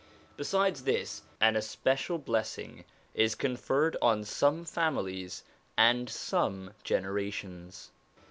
Besides this, an especial blessing is conferred on some families and some generations.